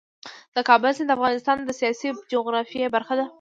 د کابل سیند د افغانستان د سیاسي جغرافیه برخه ده.